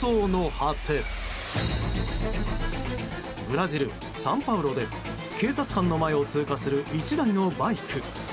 ブラジル・サンパウロで警察官の前を通過する１台のバイク。